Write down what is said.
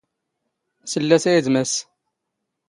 ⵙⵍⵍⵜ ⴰ ⵉⴷ ⵎⴰⵙⵙ.